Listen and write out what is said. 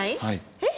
えっ？